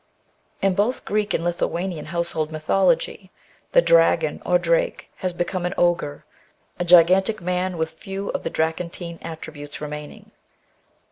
In both modem Greek and Lithuanian household mythology th^ dragon or drake has become an ogre, a gigantic man with few of the dracontine attributes remaining.